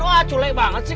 wah culik banget sih